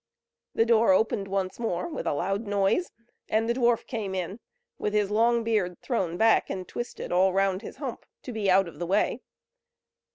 The door opened once more with a loud noise, and the dwarf came in with his long beard thrown back and twisted all round his hump, to be out of the way.